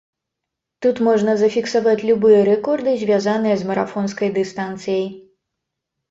Тут можна зафіксаваць любыя рэкорды, звязаныя з марафонскай дыстанцыяй.